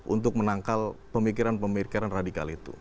untuk menangkal pemikiran pemikiran radikal itu